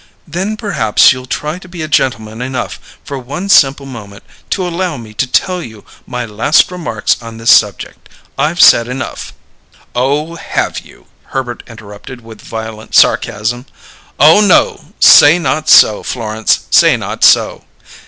Then, perhaps you'll try to be a gentleman enough for one simple moment to allow me to tell you my last remarks on this subject. I've said enough " "Oh, have you?" Herbert interrupted with violent sarcasm. "Oh, no! Say not so! Florence, say not so!"